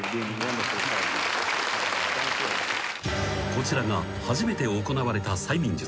［こちらが初めて行われた催眠術］